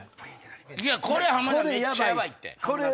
これ浜田めっちゃヤバいって。